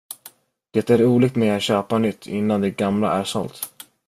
Det är olikt mig att köpa nytt innan det gamla är sålt.